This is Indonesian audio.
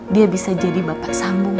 dia bisa jadi bapak sambung